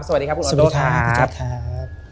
สวัสดีครับคุณออสโดครับ